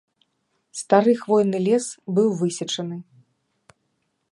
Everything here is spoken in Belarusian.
Стары хвойны лес быў высечаны.